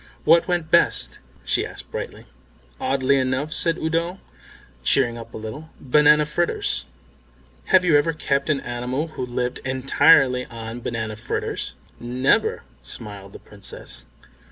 "What went best?" she asked brightly. "Oddly enough," said Udo, cheering up a little, "banana fritters. Have you ever kept any animal who lived entirely on banana fritters?" "Never," smiled the Princess.